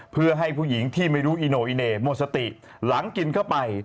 เพื่อให้ผู้หญิงที่ไม่รู้อีโนอิเน่หมดสติหลังกินเข้าไป